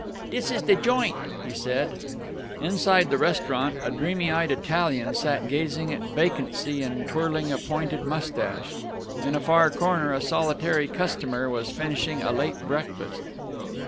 "Dis is de joint," he said. Inside the restaurant a dreamy eyed Italian sat gazing at vacancy and twirling a pointed mustache. In a far corner a solitary customer was finishing a late breakfast.